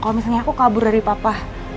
kalau misalnya aku kabur dari papa